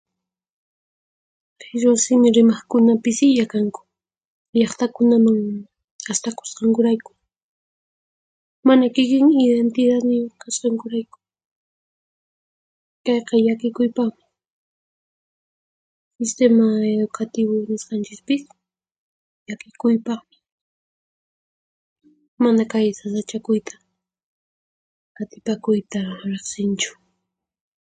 Qhichwa simi rimaqkuna pisilla kanku, llaqtakunaman astakusqankurayku, mana kikin idintitatniyuq kasqankurayku. Kayqa llakikuypaqmi. Sistema educativu nisqanchispis llakikuypaqmi; mana kay sasachakuyta, qatipakuyta riqsinchu.